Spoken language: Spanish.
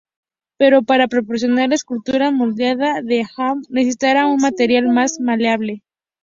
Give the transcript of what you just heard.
Pero para proporcionar la escultura moldeada de Al Hamra, necesitaron un material más maleable.